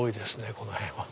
この辺は。